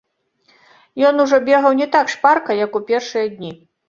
Ён ужо бегаў не так шпарка, як у першыя дні.